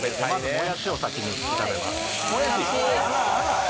もやしを先に炒めます。